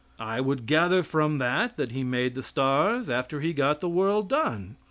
I would gather from that that he made the stars after he got the world done.